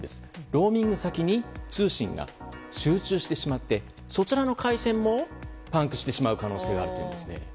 ローミング先に通信が集中してしまってそちらの回線もパンクしてしまう可能性があるというんですね。